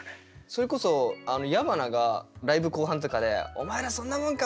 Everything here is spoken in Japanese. それこそ矢花がライブ後半とかで「お前らそんなもんか！